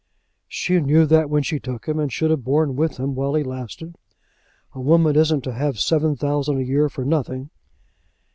"She knew that when she took him, and should have borne with him while he lasted. A woman isn't to have seven thousand a year for nothing."